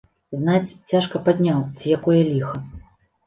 Знаць, цяжка падняў, ці якое ліха.